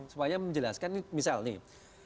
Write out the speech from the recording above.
supaya menjelaskan misalnya nih